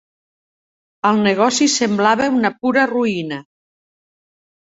El negoci semblava una pura ruïna.